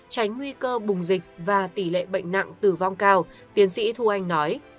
tránh nguy cơ bùng dịch và tỷ lệ bệnh nặng tử vong cao tiến sĩ thu anh nói